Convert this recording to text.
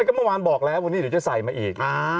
ก็ไม่วันนี้บอกวันนี้จะใส่มาอีก